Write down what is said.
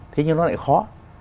thế nhưng nó lại khó